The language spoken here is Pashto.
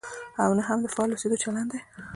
او نه هم د فعال اوسېدو چلند دی.